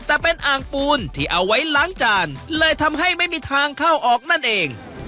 แต่เป็นอ่างปูนที่เอาไว้ล้างจานเลยทำให้ไม่มีทางเข้าออกนั่นเอง